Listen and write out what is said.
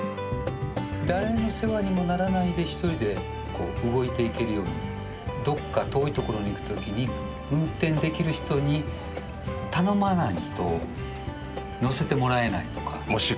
誰の世話にもならないで、１人で動いていけるように、どこか遠い所に行くときに、運転できる人に頼まないと乗せてもらえないとか。